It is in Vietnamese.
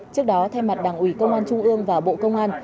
trước đó thay mặt đảng ủy công an trung ương và bộ công an